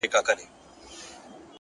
مثبت انسان د هیلو اور بل ساتي،